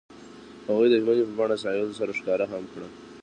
هغوی د ژمنې په بڼه ساحل سره ښکاره هم کړه.